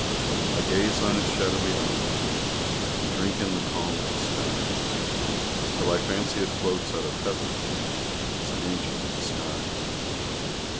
I gaze on its shadowy outline And drink in the calm of the skies, Till I fancy it floats out of heaven, As an angel in disguise.